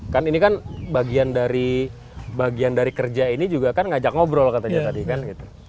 kan ini kan bagian dari bagian dari kerja ini juga kan ngajak ngobrol katanya tadi kan gitu